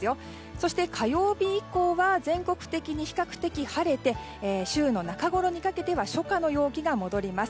そして、火曜日以降は全国的に比較的晴れて週の中ごろにかけては初夏の陽気が戻ります。